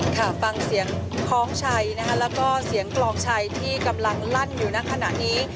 ค่ะฟังเสียงคล้องชัยนะคะแล้วก็เสียงกลองชัยที่กำลังลั่นอยู่ในขณะนี้